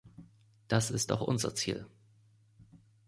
Das ist auch unser Ziel.